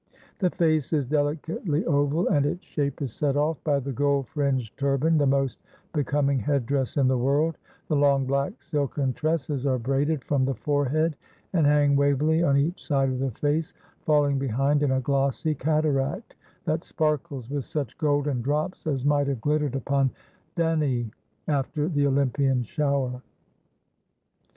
The face is delicately oval, and its shape is set off by the gold fringed turban, the most becoming head dress in the world; the long, black, silken tresses are braided from the forehead, and hang wavily on each side of the face, falling behind in a glossy cataract, that sparkles with such golden drops as might have glittered upon Danaë, after the Olympian shower.